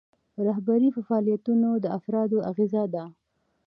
رهبري په فعالیتونو د افرادو اغیزه ده.